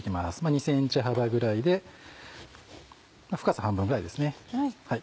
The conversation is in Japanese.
２ｃｍ幅ぐらいで深さ半分ぐらいですね。